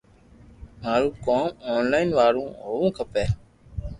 مارو ڪوم اونلائن وارو ھووُہ کپي